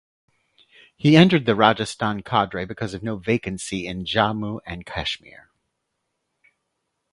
He entered the Rajasthan cadre because of no vacancy in Jammu and Kashmir.